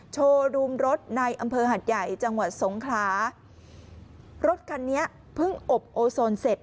โชว์รูมรถในอำเภอหัดใหญ่จังหวัดสงขลารถคันนี้เพิ่งอบโอโซนเสร็จ